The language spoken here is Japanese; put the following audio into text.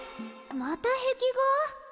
また壁画？